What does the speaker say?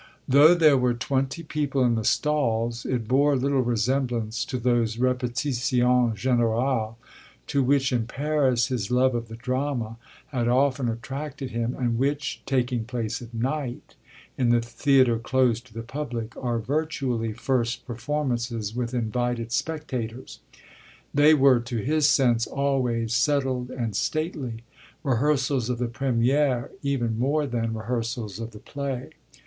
Though there were twenty people in the stalls it bore little resemblance to those répétitions générales to which, in Paris, his love of the drama had often attracted him and which, taking place at night, in the theatre closed to the public, are virtually first performances with invited spectators. They were to his sense always settled and stately, rehearsals of the première even more than rehearsals of the play.